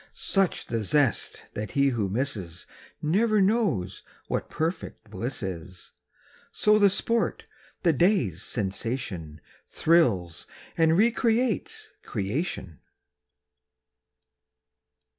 Such the zest that he who misses Never knows what perfect bliss is. So the sport, the day's sensation, Thrills and recreates creation.